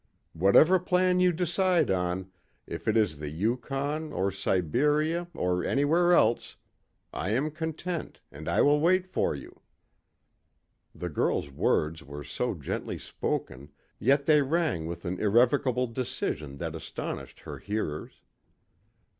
Whatever plan you decide on, if it is the Yukon, or Siberia, or anywhere else, I am content, and I will wait for you." The girl's words were so gently spoken, yet they rang with an irrevocable decision that astonished her hearers.